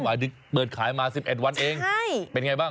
อ๋อหมายถึงเปิดขายมา๑๑วันเองเป็นอย่างไรบ้าง